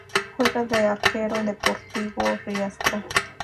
Juega de Arquero en Deportivo Riestra.